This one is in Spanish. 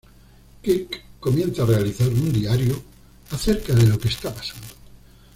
Kirk comienza a realizar un diario acerca de lo que está pasando.